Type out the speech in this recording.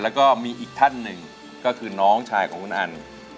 แล้วก็มีอีกท่านหนึ่งก็คือน้องชายของคุณอัน